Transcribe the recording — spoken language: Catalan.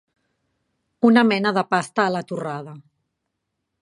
Una mena de pasta a la torrada.